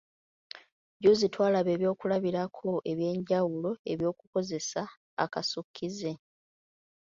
Jjuuzi twalaba ebyokulabirako eby’enjawulo eby'okukozesa akasukkize.